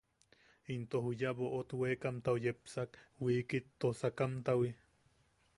Into juya boʼot wekamtau yepsak wiikit toosakamtawi.